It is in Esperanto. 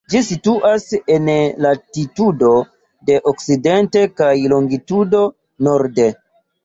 Ĝi situas en latitudo de okcidente kaj longitudo norde.